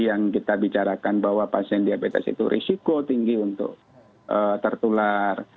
yang kita bicarakan bahwa pasien diabetes itu risiko tinggi untuk tertular